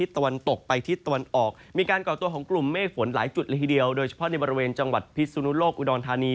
ที่มีฝนหลายจุดละเหตุเดียวโดยเฉพาะในบาร์เวณจังหวัดพิษวนุโลกอุดอนธานี